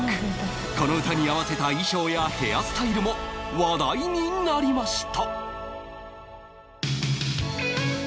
この歌に合わせた衣装やヘアスタイルも話題になりました